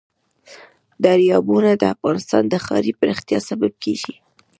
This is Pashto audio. دریابونه د افغانستان د ښاري پراختیا سبب کېږي.